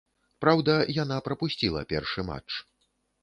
Праўда, яна прапусціла першы матч.